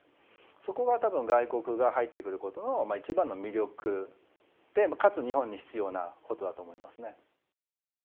そこが多分外国が入ってくることの一番の魅力でかつ日本に必要なことだと思いますね。